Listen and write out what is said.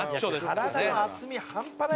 「体の厚み半端ないからね」